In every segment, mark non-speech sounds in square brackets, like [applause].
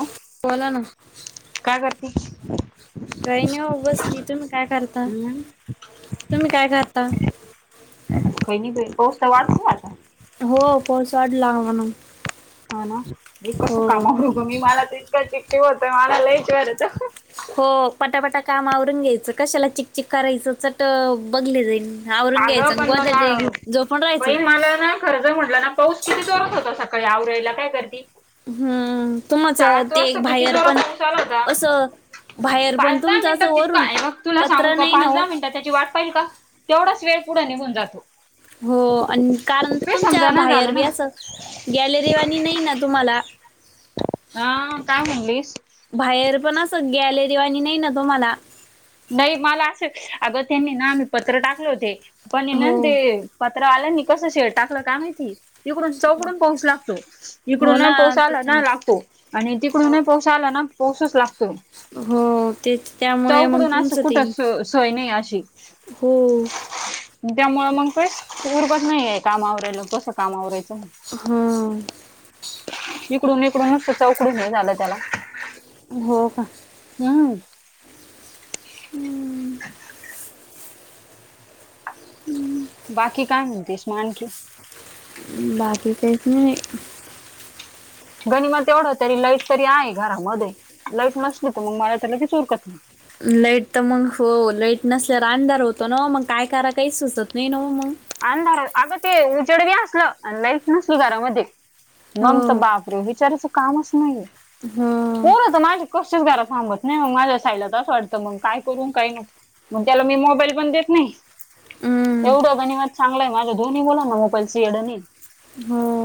हो बोलां नां काय करते? कांहीं नाहीं हो उगचं बसली तुम्हीं कायं करतां हम्म तुम्हीं कायं करतांत हो नाहीं पाऊस तरं वाढूंन चं राहिला हो पाऊस वाढलां हां म्हणूंन हो नां मी कसं कामांव मी मलां तितका चिठ्ठी होतं मलां लईच शिव्यां देतो हो पटांपटां कामं आवरूंन घ्यायचं कशांला चिकचिक करायचं चटं बघले जाईन आवरून अगं घ्यायचं पण मग गोधडी घेऊन झोपून रहायचं. बाई मला ना खरं तर म्हटलं ना पाऊस किती जोरात होता सकाळी आवरायला काय करती? हम्म तुम्हाच सात ते वाजता किती बाहेर जोरात पण पाऊस आला होता. असं बाहेर पण पाच दहा तुमचं असं मिनिटात तितकां वरून आहे मग तुला सांगू पत्र का नाही ना पाच ओ दहा मिनटा त्याची वाट का तेवढाच वेळ पुढं निघून जातो. हो आणि कारण काही तुमच्या समजाना बाहेर झालं ना. भी असं गॅलरीवाणी नाही ना तुम्हाला? हा काय म्हणलीस? बाहेर पण असं गॅलरीवानी नाही ना तुम्हाला? नाही मला त्यांनी आम्ही पत्रे टाकले होते पण ना ते हो पत्रवाल्यानी कसं शेड टाकलं काय माहिती? तिकडून चौकडून पाऊस लागतो हो इकडून ना पाऊस आला तेच ना लागतो आणि हो तिकडून पाऊस आला ना पाऊस लागतो. हो ते त्यामुळे मग चौकडून असं तुमचं ते कुठंच सोय नाही अशी. हो त्यामुळे मग काय उबत नाहीये कामा आवरायला कसं काम आवरायचं हम्म इकडून इकडूनच असं चौकडून हे झालं त्याला हो का हम्म हम्म हम्म बाकी काय म्हणतीस मग आणखी बाकी काहीच नाही गणी मा तेवढं तरी लाईट तरी आहे घरामध्ये लाईट नसली तर मग मला तर लगेच उरकत नाही. लाईट तर मग हो लाईट नसल्यावर अंधार होतो ना मग काय कराय काही सुचत नाही ना मग अंधार अगं ते उजेड भी असलं लाईट नसली घरामध्ये हो मग तर बापरे विचाराचं कामच नाहीये. हम्म पोरं तर माझी कसेच घरात थांबत नाही मग माझ्या साईला तर असं वाटतं मग काय करून काही नको. मग त्याला मी मोबाईल पण देत नाही. हम्म, एवढं गणी मात चांगलाय माझा दोन्ही मुलांना मोबाईल वेड नाही. हा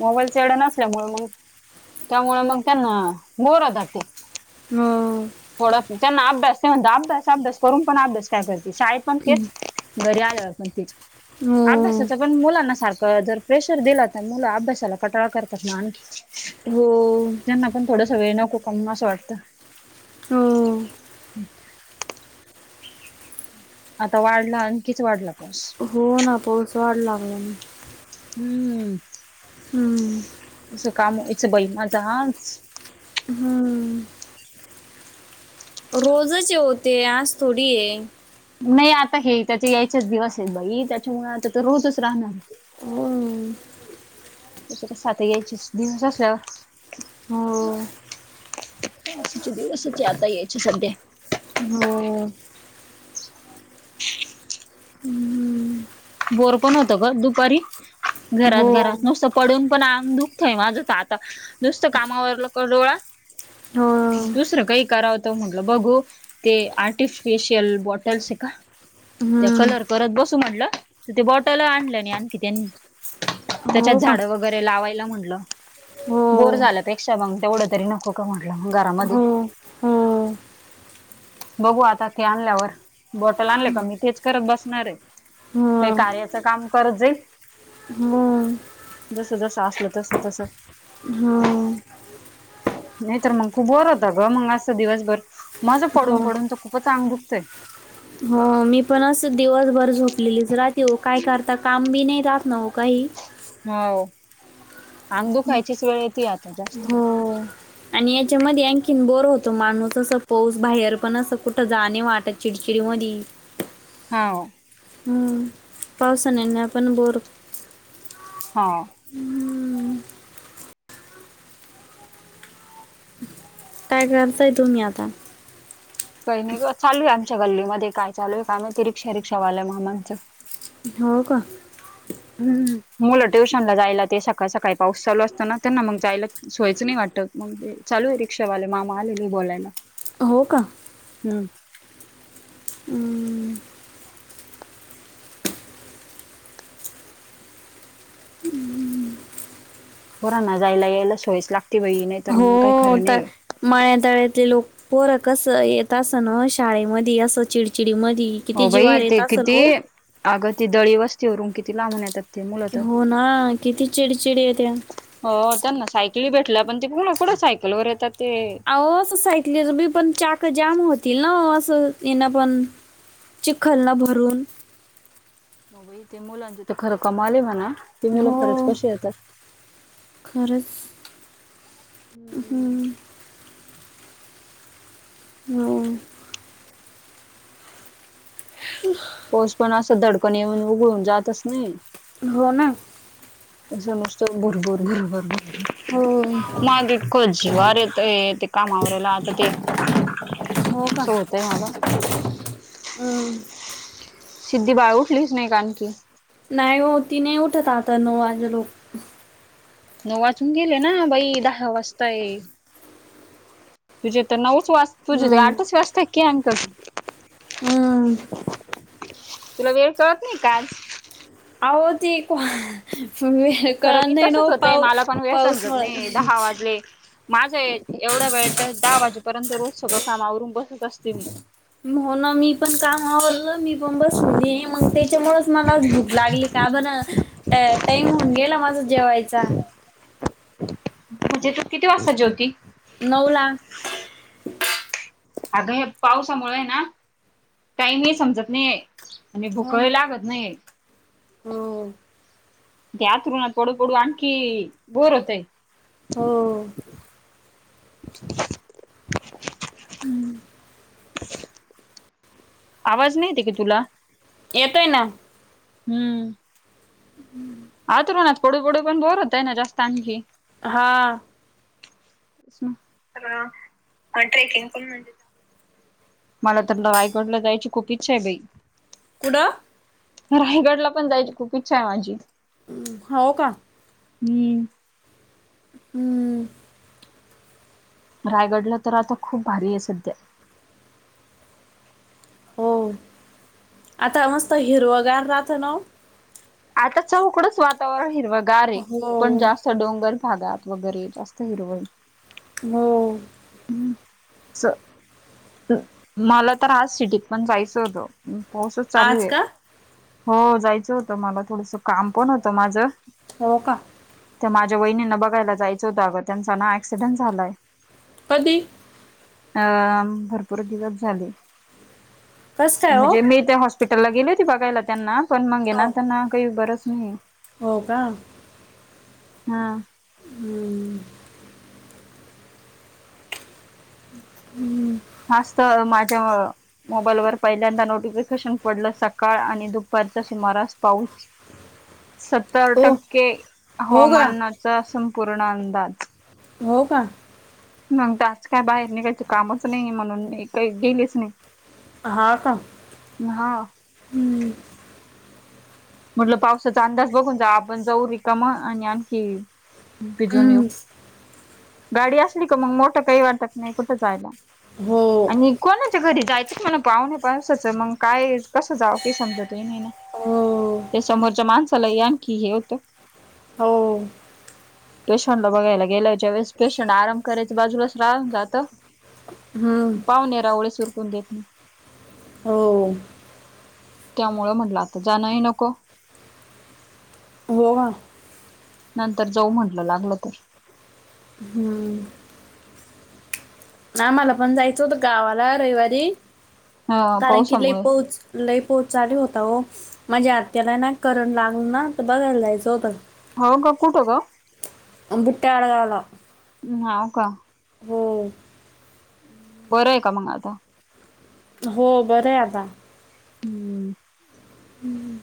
मोबाईलच येड नसल्यामुळे मग त्यामुळे मग त्यांना बोर होतात ते हो थोडा त्यांना अभ्यास नाही म्हणतं अभ्यास अभ्यास करून पण अभ्यास काय करते शाळ पण तेच. घरी आल्यावर पण तेच हो अभ्यासाच पण मुलांना सारखं जर प्रेशर दिला तर मुलं अभ्यासाला कटाळा करतात ना आणखी हो त्यांना पण थोडासा वेळ नको का असं वाटतं. हो आता वाढला आणि किती वाढला पाऊस हो हो ना पाऊस वाढ लागला ना. हम्म हम्म असं काम होयाचं बाई माझ आज? हम्म रोजच ये ओ ते आजच थोडी आहे. नाही आता हे त्याचे यायचेच दिवस आहेत बाई, त्याच्यामुळे आता तर रोजच राहणार. हो त्याच कस आता यायचेच दिवस असल्यावर हो, पावसाचे दिवसच आहे आता यायचे सध्या. हो हं, बोर पण होत ग दुपारी. घरात हो, घरात नुसतं पडून पण आग दुखतय माझ तर आता. नुसत कामावरल का लोळा, हो, दुसर काही कराव त म्हटलं बघू ते आर्टिफिशियल बॉटल्स हे का, त्या हं, कलर करत बसू म्हणलं. तर ते बॉटल आणल नाही आणखी त्यांनी, त्याच्यात हो का? झाड वगैरे लावायला म्हणलं. हो, बोर झाल्यापेक्षा मग तेवढ तरी नको का म्हटल हो, घरामध्ये हो, हो, बघू आता ते आणल्यावर, बॉटल आणले का मी तेच करत बसणार आहे. कही हो, कार्याच काम करत जाईल, हो, जस जस असल तस तस. हा नाही तर मग खूप बोर होता ग मग अस दिवसभर, माझं पडून हो, पडून तर खूपच आंग दुखतंय. हो मी पण अस दिवसभर झोपलेलीच राहते, हो काय करता काम बी नाही राहात ना ओ काही. हाव, आंग दूखायचीच वेळ येती आ हो आणि याचा मधी आणखीन बोर होत मानूस असं पाऊस बाहेर पण असं कुठं जा नी वाटत. चिडचिडी मधी हाव हम्म पावसानेने पण बोर हा काय करताय तुम्ही आता? काही नाही ग चालू आहे आमच्या गल्लीमध्ये काय चालू आहे काय माहिती? रिक्षा रिक्षा वाल्या मामांच. हो का हम्म मुलं ट्युशन ला जायला ते सकाळ सकाळी पाऊस चालू असतो ना त्यांना मग जायला सोयचं नाही वाटत, मग ते चालू आहे रिक्षावाले मामा आलेले आहे बोलायला. हो का? हम्म हम्म. पोरांना जायला यायला सोयच लागते बाई नाही तर मग काही हो खरं तर नाही मळ्या तळ्यातले लोक पोर कस येत असन ओ शाळेमध्ये असं चिडचिडी मधी. हो बाई ते किती अगं ते दळी वस्तीवरून किती लांबून येत्यात. हो ना किती चिडचिडी ये त्या. हो त्यांना सायकली भेटल्या पण ते पुण कुठं सायकल वर येतात ते आ ओ असं सायकली मी पण चाक जाम होतील ना अस येन पण चिखलन भरून. हो बाई त्या मुलांची तर खरं कमाल आहे म्हणा. ते मुलं हो खरंच कशी येतात खरचं. हम्म हो [inaudible] पाऊस पण असं धडकन येऊन उघडून जातच नाही. हो ना. अस नुसत भुरभुर भर भर, हो मला इतक जीवावर येत ते कामावर लाटते. हो का? हो हम्म. सिद्धी बाळ उठलीच नाही का? आणखी नाही हो, ती नाही उठत. आता नऊ वाजलो. नऊ वाचून गेले ना, बाई दहा वाजताय. तुझे तर नऊच वाज तुझे हम्म. आठच वाजता की अंकल. हम्म. तुला वेळ कळत नाही का आज. आहो ती तुम्ही खरं कळाल बी नाही. ना तसच ओ होतंय पाऊ मला पण पाऊसमुळं. माझ एवढ्या वेळेत तर दहा वाजेपर्यंत रोज सगळं कामावरून बसत असते मी. हो ना, मी पण काम आवरलं मी पण बसलेली आहे. मग त्याच्यामुळंच मला आज भूक लागली का बर. टा, टाईम होऊन गेला माझा जेवायचा. म्हणजे तू किती वाजता जेवती. नऊला. अगं हे पावसामुळं आहे ना, टाईमही समजत नाहीये आणि हो ना भुकही लागत नाही. हो, ते अंथरुणात पडू, पडू आणखी बोर होतंय. हो [inaudible] हम्म, [inaudible] आवाज नाहीे येते का तुला? येतोय ना, हम्म, [inaudible] आथरुणात पडू, पडू पण बोर होतंय ना जास्त आणखी. हा, [unintelligible] मला तर रायगडला जायची खूप इच्छा आहे बाई. कुठं? रायगडला पण जायची. खूप इच्छा आहे माझी. हा, हो का? हम्म, हम्म, रायगडला तर आता खूप भारी आहे सध्या. हो, आता मस्त हिरवगार राहतं ना ओ, आता चौकडंच वातावरण हिरवगार आहे. पण हो जास्त डोंगर भागात वगैरे जास्त हिरवळ हो, हम्म, चल मला तर आज सिटीत पण जायचं होतं. पाऊसच चालू आज आहे. का हो, जायचं होतं मला, थोडंसं काम पण होतं माझं. हो का? त्या माझ्या वहिणींना बघायला जायच होतं आगं, त्यांचा ना ऍक्सिडेंट झालाय. कधी? अ भरपूर दिवस झाले, कस काय हो म्हणजे मी ते हॉस् पीटलला गेले होती बघायला त्यांना, पण मंग ये ना त्यांना काही बरंच नाहीये. हो का? हा. हम्म. [inaudible] आज तर माझ्यामुळ मोबाईलवर पहिल्यांदा नोटिफिकेशन पडलं सकाळ आणि दुपारच्या सुमारास पाऊस, सत्तर ओ टक्के हो का हवामानात चा संपूर्ण अंदाज. हो का? मंग तर आज काय बाहेर निघायच कामच नाही, म्हणून मी काही गेलेच नाही. हा का? हा हम्म. म्हटल, पावसाचा अंदाज बघून जा आपण जाव, आपण जाऊ रिकाम आणि आणखी भिजून येऊ. हम्म गाडी असली का, मग मोठ काही वाटत नाही कुठं जायला. हो आणि कोणाच्या घरी जायचं पावण्या पावसाच मंग काय कसं जाव, ते समजत हि नाही ना. हो. ते समोरच्या माणसालाही आणखी हे होतं. हो. पेशंटला बघायला गेल्याच्या वेळेस पेशंट आराम करायचं बाजूलाच राहून जातं. हम्म पाहुणे रावळेच उरकून देत. नाही हो. त्यामुळं म्हटलं आता जाणंही नको. हो का? नंतर जाऊ म्हटलं लागलं तर. हम्म. आम्हाला पण जायचं होत गावाला रविवारी, हा कारण कि लई पावसामुळे पाऊच लई पाऊच चालू होता हो, माझ्या आत्याला ना करंट लागल ना, तर बघायला जायचं होतं. हो का, कुठं ग? [unintelligible] हाव का? हो. बरंय का मंग आता? हो, बरं आहे आता. हम्म. हम्म.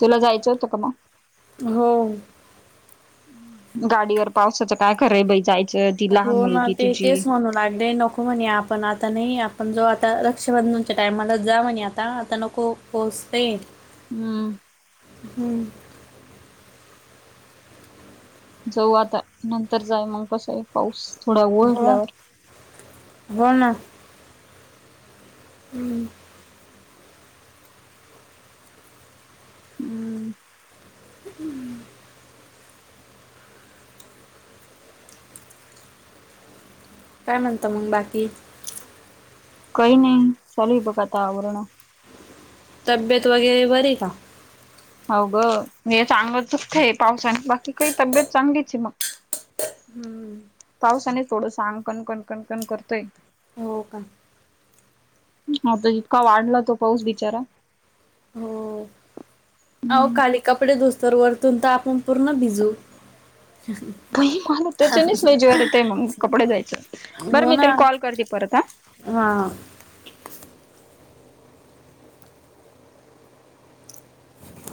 तुला जायचं होतं का मग? हो. गाडीवर पावसाचं काय खरंय आहे बाई जाय हो ना, ते तेच म्हणून आडलय नको म्हणे, आपण आता नाही आपण जाऊ आता रक्षाबंधनच्या टायमाला जा म्हणे आता, आता नको. पाऊस लय हे. हम्म. हम्म. जाऊ आता नंतर जाय मग कसं आहे पाऊस थोडा बोल, ओढल्यावर बोल ना. हम्म. हम्म. हम्म. काय म्हणता मग बाकी? काय नाही चालू आहे बघ आता आवरण. तब्येत वगैरे बरी आहे का? हाव ग नि हे अंगच दुखतय पावसाने बाकी काही तब्येत चांगलीच आहे मग हम्म. पावसाने थोडंस अंग कणकणकणकण करतय. हो का? हा तर इतका वाढला तो पाऊस बिचारा. हो. अहो खाली कपडे धूस्तर वरतून तर आपण पूर्ण भिजू. [unintelligible] त्याच्यास वेजवर येतय मग कपडे द्यायच बरं हो मी ना ताई कॉल करते परत हा. हा.